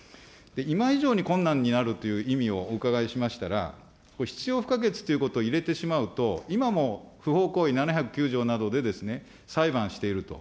今以上に困難になるという意味をお伺いしましたら、これ、必要不可欠ということを入れてしまうと、今も不法行為７０９条などで裁判していると。